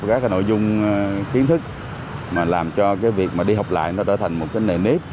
các nội dung kiến thức mà làm cho việc đi học lại trở thành một nền nếp